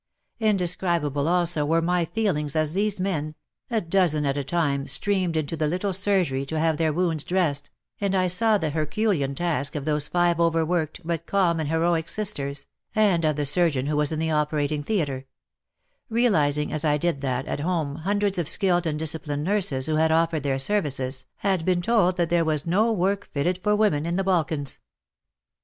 Indescribable also were my feelings as these men — a dozen at a time — streamed into the little surgery to have their wounds dressed, and I saw the Herculean task of those five overworked, but calm and heroic sisters, and of the surgeon who was in the operating theatre : realizing as I did that at home hundreds of skilled and disciplined nurses who had offered their services had been told that there was no work fitted for women " in the Balkans.